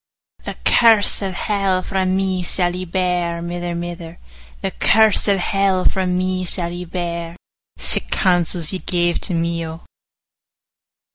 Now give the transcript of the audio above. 'The curse of hell frae me sall ye bear, Mither, mither; The curse of hell frae me sall ye bear: 55 Sic counsels ye gave to me, O!